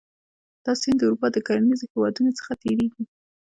دا سیند د اروپا د کرنیزو هېوادونو څخه تیریږي.